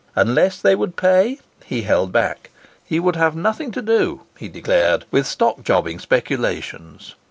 Unless they would "pay," he held back. "He would have nothing to do," he declared, "with stock jobbing speculations."